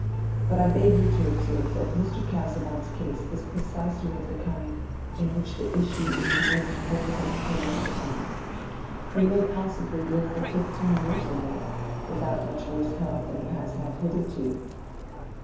But I beg you to observe that Mr. Casaubon's case is precisely of the kind in which the issue is most difficult to pronounce upon. He may possibly live for fifteen years or more, without much worse health than he has had hitherto."